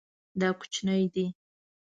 دا کوچنی دی